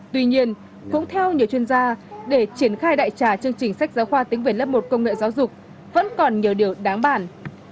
tuy nhiên cũng theo nhiều chuyên gia để triển khai đại trà chương trình sách giáo khoa tiếng về lớp một công nghệ giáo dục vẫn còn nhiều điều đáng bản